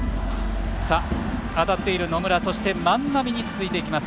当たっている野村、そして万波に続いていきます。